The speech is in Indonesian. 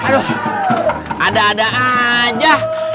aduh ada ada aja